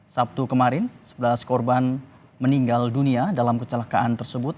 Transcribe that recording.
sabtu kemarin sebelas korban meninggal dunia dalam kecelakaan tersebut